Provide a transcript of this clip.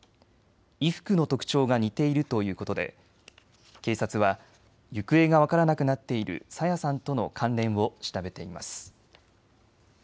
衣服の特徴が似ているということで警察は行方が分からなくなっている朝芽さんとの関連を調べています。